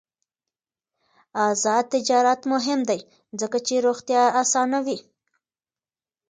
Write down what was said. آزاد تجارت مهم دی ځکه چې روغتیا اسانوي.